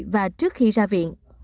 và trước khi ra viện